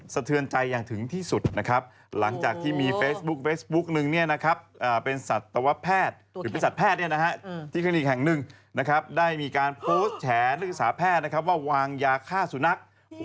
สะเทือนใจอย่างถึงที่สุดหลังจากที่มีเฟซบุ๊ก